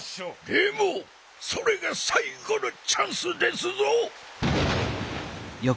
でもそれがさいごのチャンスですぞ！